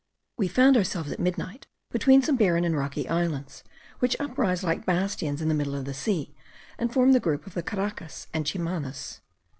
We found ourselves at midnight between some barren and rocky islands, which uprise like bastions in the middle of the sea, and form the group of the Caracas and Chimanas.